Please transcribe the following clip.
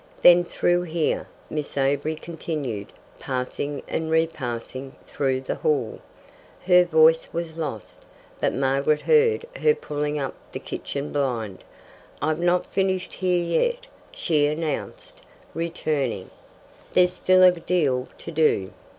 "Then through here " Miss Avery continued passing and repassing through the hall. Her voice was lost, but Margaret heard her pulling up the kitchen blind. "I've not finished here yet," she announced, returning. "There's still a deal to do.